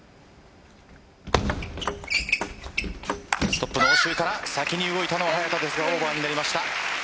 ストップの応酬ですが先に動いたのは早田でしたがオーバーになりました。